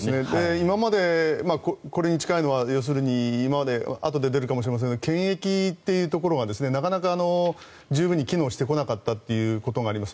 今までこれに近いのはあとで出るかもしれませんが検疫というところがなかなか十分に機能してこなかったというところがあります。